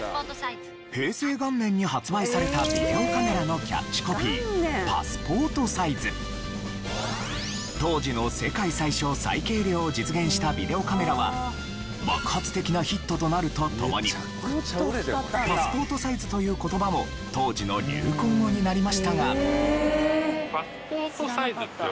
平成元年に発売されたビデオカメラのキャッチコピー「パスポートサイズ」。を実現したビデオカメラは爆発的なヒットとなるとともに「パスポートサイズ」という言葉も当時の流行語になりましたが。